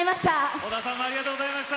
織田さんもありがとうございました。